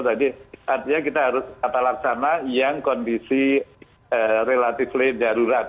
jadi artinya kita harus laksana yang kondisi relatif darurat